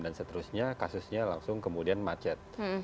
dan seterusnya kasusnya langsung kemudian macet